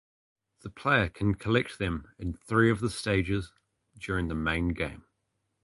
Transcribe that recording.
The player can collect them in three of the stages during the main game.